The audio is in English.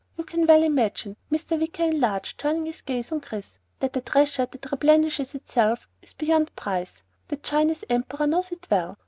You can well imagine," Mr. Wicker enlarged, turning his gaze on Chris, "that a treasure that replenishes itself is beyond price. The Chinese Emperor knows it well.